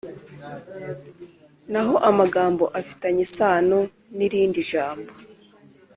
Naho amagambo afitanye isano nirindi jambo